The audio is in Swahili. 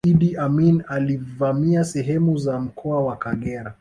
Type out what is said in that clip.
iddi amini alivamia sehemu za mkoa wa kagera